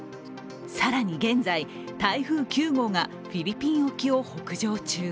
更に現在、台風９号がフィリピン沖を北上中。